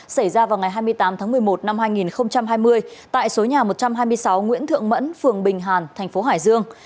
xảy ra vào ngày hai mươi tám tháng một mươi một năm hai nghìn hai mươi tại số nhà một trăm hai mươi sáu nguyễn thượng mẫn phường bình hàn thành phố hải dương